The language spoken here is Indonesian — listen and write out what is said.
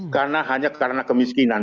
karena hanya karena kemiskinan